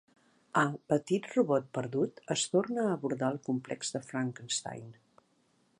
A "Petit robot perdut" es torna a abordar el complex de Frankenstein.